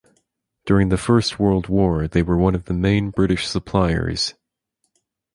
During the First World War they were one of the main British suppliers.